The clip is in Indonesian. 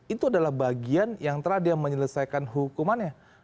itu adalah bagian yang telah dia menyelesaikan hukumannya